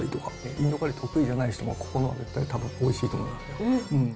インドカレー得意じゃない人も、ここのは絶対たぶんおいしいと思いますよ。